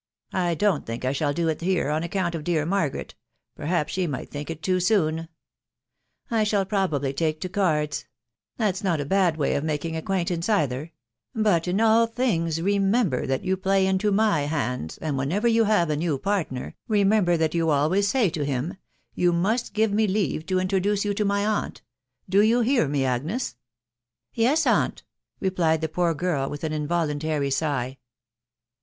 I don't think I shall do it here, on account of dear Margaret .... perhaps she might think it too soon, I shall probably take to cards ; that's not a bad way of making acquaintance either ; but in all thinga Yemeni THIS WIDOW JUBNABY. 137 >* ber that you play into my hands, and whenever you have a new partner, remember that you always say to him, ' You must give me leave to introduce you to my aunt' .... Do you hear me, Agnes ?"" Yes, aunt/' replied the poor girl with an involuntary sigh.